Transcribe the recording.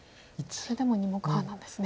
それでも２目半なんですね。